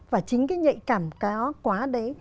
và chính cái nhạy cảm quá đấy